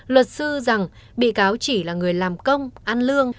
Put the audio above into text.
luật sư rằng bị cáo chỉ là người làm công ăn lương